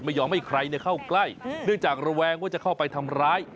ไม่ยอมให้ใครเข้าใกล้เนื่องจากระแวงว่าจะเข้าไปทำร้าย